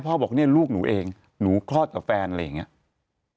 บอกเนี่ยลูกหนูเองหนูคลอดกับแฟนอะไรอย่างนี้